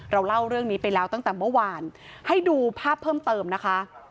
เราเล่าเรื่องนี้ไปแล้วตั้งแต่เมื่อวานให้ดูภาพเพิ่มเติมนะคะ